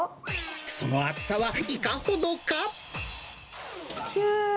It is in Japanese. その厚さは、いかほどか。